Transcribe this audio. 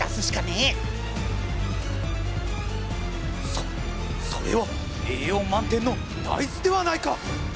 そそれは栄養満点の大豆ではないか！